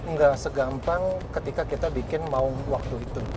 nggak segampang ketika kita bikin mau waktu itu